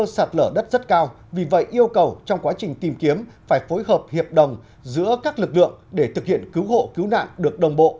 sạt lở đất rất cao vì vậy yêu cầu trong quá trình tìm kiếm phải phối hợp hiệp đồng giữa các lực lượng để thực hiện cứu hộ cứu nạn được đồng bộ